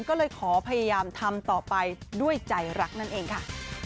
ก็เลยขอพยายามทำต่อไปด้วยใจรักนั่นเองค่ะ